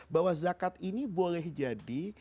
bahwa zakat ini boleh jadi